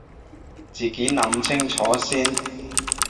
自己諗清楚先